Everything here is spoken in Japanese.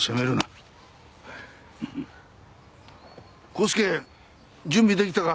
康介準備できたか？